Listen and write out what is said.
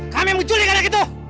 kami mau culik anak itu